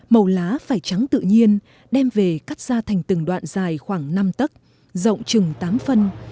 màu lá phải trắng tự nhiên đem về cắt ra thành từng đoạn dài khoảng năm tấc rộng chừng tám phân